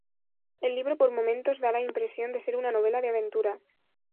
El libro, por momentos, da la impresión de ser una novela de aventura.